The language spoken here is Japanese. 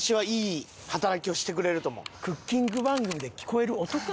クッキング番組で聞こえる音か！